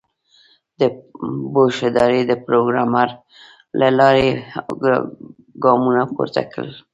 د بوش ادارې د پروګرام له لارې ګامونه پورته کړل.